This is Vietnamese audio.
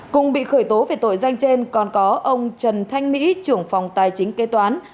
cùng bị khởi tố về tội danh trên còn có ông trần thanh mỹ trưởng phòng tài chính kế toán